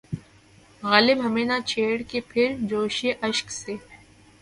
غالب ہمیں نہ چھیڑ کہ پھر جوشِ اشک سے